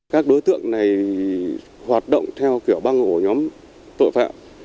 các đối tượng này hoạt động theo kiểu băng ổ nhóm tội phạm